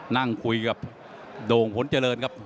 นั่งคุยกับโด่งผลเจริญครับ